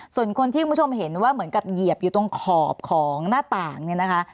ส่วนคนที่คุณผู้ชมเห็นว่าเหมือนกับเหยียบอยู่ตรงขอบของหน้าต่างเนี่ยนะคะ